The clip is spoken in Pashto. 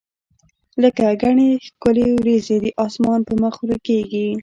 لکه ګڼي ښکلي وریځي د اسمان پر مخ ورکیږي